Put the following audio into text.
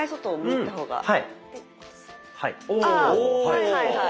はいはいはい。